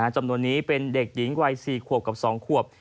จำนวนนี้เป็นเด็กหญิงวัย๔ขวบกับ๒ขวบ